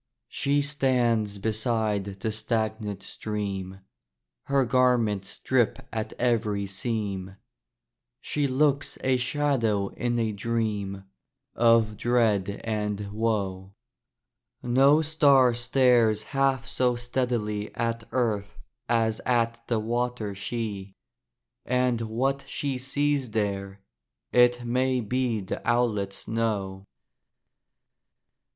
She stands beside the stagnant stream; Her garments drip at every seam; She looks a shadow in a dream Of dread and woe: No star stares half so steadily At earth as at the water she; And what she sees there it may be The owlets know.